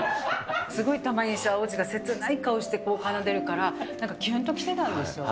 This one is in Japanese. すごい、たまに王子が切ない顔して奏でるから、なんかキュンときてたんですよ。